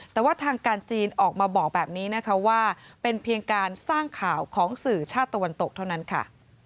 แต่ว่าทางการจีนออกมาบอกแบบนี้นะคะว่าเป็นเพียงการสร้างข่าวของสื่อชาติตะวันตกเท่านั้นค่ะ